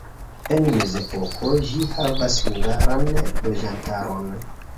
En mezepoko ĝi havis hungaran loĝantaron.